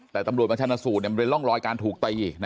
แต่ตำรวจบัญชานสูตรเนี่ยมันเรียนร่องรอยการถูกตะอีนะครับ